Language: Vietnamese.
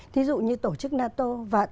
thí dụ như tổ chức nato